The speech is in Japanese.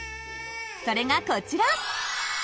それがこちら。